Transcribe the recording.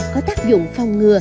có tác dụng phong ngừa